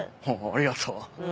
ありがとう。